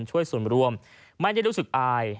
ช่วยส่วนรวมไม่ได้รู้สึกอาย